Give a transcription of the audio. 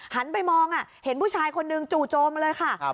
หันไปมองเห็นผู้ชายคนนึงจู่โจมเลยค่ะ